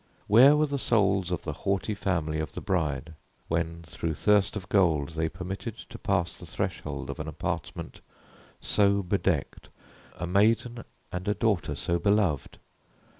Where were the souls of the haughty family of the bride, when, through thirst of gold, they permitted to pass the threshold of an apartment so bedecked, a maiden and a daughter so beloved?